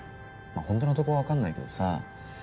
まあほんとのとこは分かんないけどさ。